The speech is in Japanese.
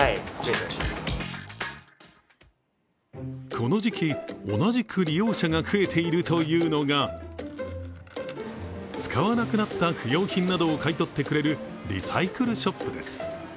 この時期、同じく利用者が増えているというのが使わなくなった不用品などを買い取ってくれるリサイクルショップです。